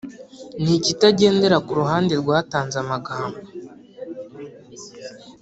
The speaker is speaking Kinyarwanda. ni ikitagendera ku ruhande rwatanze amagambo